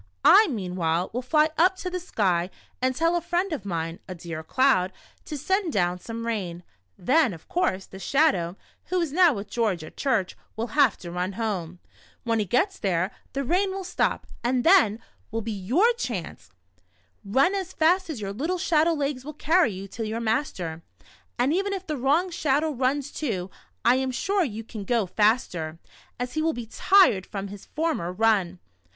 I, meanwhile, will fly up to the sky and tell a friend of mine, a dear cloud, to send down some rain. Then, of course, the Shadow, who is now with George at church, will have to run home. When he gets there, the rain will stop, and then will be your chance. Run as fast as your little shadow legs will carry you to your master, and even if the wrong Shadow runs too, I am sure you can go faster, as he will be tired from his former run."